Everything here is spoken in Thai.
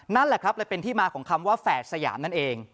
นั่นแหละครับเลยเป็นที่มาของคำว่าแฝดสยามนั่นเอง